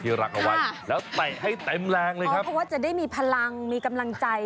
อ๋อเพราะว่าจะได้มีพลังมีกำลังใจ